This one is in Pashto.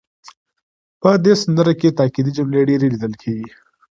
په دې سندره کې تاکېدي جملې ډېرې لیدل کېږي.